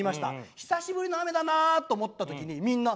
久しぶりの雨だなと思った時にみんな「恵みの雨だ」。